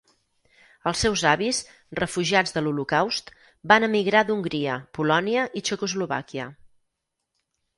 Els seus avis, refugiats de l'Holocaust, van emigrar d'Hongria, Polònia i Txecoslovàquia.